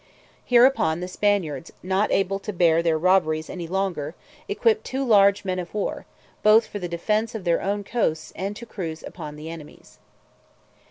Hereupon the Spaniards, not able to bear their robberies any longer, equipped two large men of war, both for the defence of their own coasts, and to cruise upon the enemies.